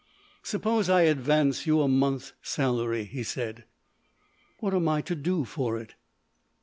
"Suppose I advance you a month's salary?" he said. "What am I to do for it?"